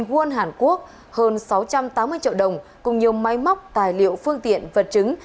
một mươi won hàn quốc hơn sáu trăm tám mươi triệu đồng cùng nhiều máy móc tài liệu phương tiện vật chứng